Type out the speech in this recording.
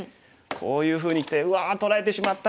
こういうふうにきて「うわ取られてしまった！」